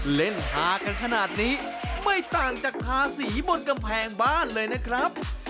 เล่นฮากันขนาดนี้ไม่ต่างจากทาสีบนกำแพงบ้านเลยนะครับ